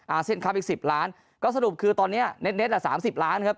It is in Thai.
อ่าเส้นครับอีก๑๐ล้านก็สรุปคือตอนนี้เน็ตละ๓๐ล้านครับ